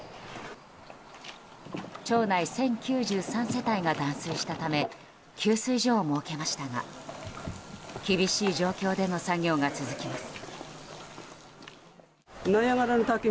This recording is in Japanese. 町内１０９３世帯が断水したため給水所を設けましたが厳しい状況での作業が続きます。